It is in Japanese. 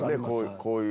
こういう。